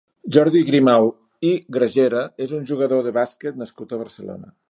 Jordi Grimau i Gragera és un jugador de bàsquet nascut a Barcelona.